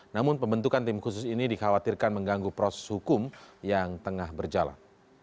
namun pembentukan tim khusus ini dikhawatirkan mengganggu proses hukum yang tengah berjalan